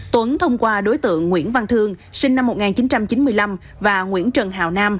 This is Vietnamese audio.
tuấn thông qua đối tượng nguyễn văn thương sinh năm một nghìn chín trăm chín mươi năm và nguyễn trần hào nam